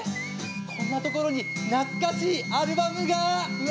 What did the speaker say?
こんな所に懐かしいアルバムが！うわ！」。